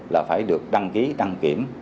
là phải được đăng ký đăng kiểm